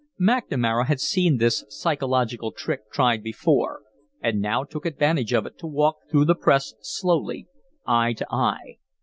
McNamara had seen this psychological trick tried before and now took advantage of it to walk through the press slowly, eye to eye.